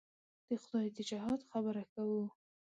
د خدای د جهاد خبره کوو.